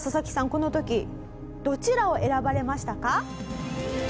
この時どちらを選ばれましたか？